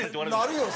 なるよ